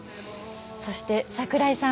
そして櫻井さん